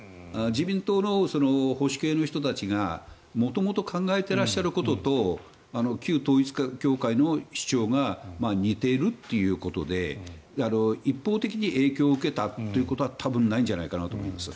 自民党の保守系の人たちが元々考えていらっしゃることと旧統一教会の主張が似ているということで一方的に影響を受けたということは多分ないんじゃないかと思います。